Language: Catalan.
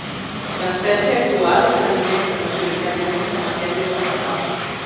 L'espècie actual s'alimenta majoritàriament de matèria vegetal.